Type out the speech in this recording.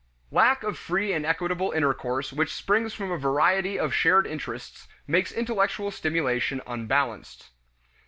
Lack of the free and equitable intercourse which springs from a variety of shared interests makes intellectual stimulation unbalanced.